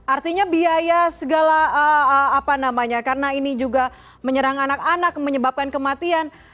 artinya biaya segala apa namanya karena ini juga menyerang anak anak menyebabkan kematian